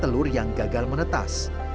telur yang gagal menetas